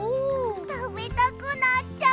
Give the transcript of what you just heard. たべたくなっちゃう！